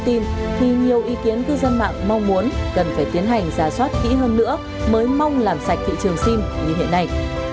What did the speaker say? thì nhiều ý kiến cư dân mạng mong muốn cần phải tiến hành giả soát kỹ hơn nữa mới mong làm sạch thị trường sim như hiện nay